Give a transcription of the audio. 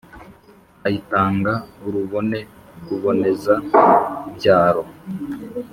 Ayitanga urubone Ruboneza-byaro,